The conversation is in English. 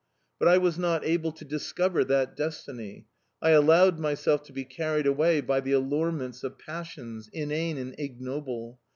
But I was not able to discover that destiny, I allowed myself to be carried away by the allurements of passions, inane and ignoble.